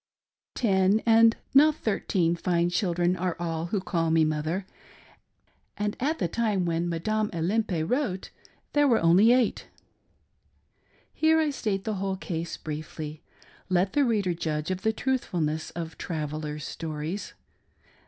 Ten, and not thirteen "fine" children are all who call me mother ; and at the time when Madame Olympe wrote there were only eight. Here I state the whole case briefly. Let the reader judge of the truthfulness of "travellers' stories."